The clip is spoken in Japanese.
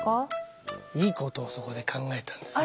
いいことをそこで考えたんですね。